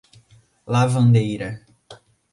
Lavandeira